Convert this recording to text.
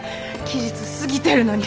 期日過ぎてるのに。